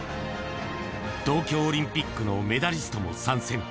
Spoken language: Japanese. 東京オリンピックのメダリストも参戦。